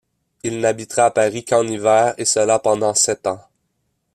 Il n'habitera à Paris qu'en hiver et cela pendant sept ans.